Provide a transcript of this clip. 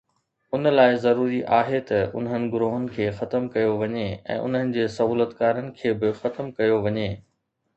ان لاءِ ضروري آهي ته انهن گروهن کي ختم ڪيو وڃي ۽ انهن جي سهولتڪارن کي به ختم ڪيو وڃي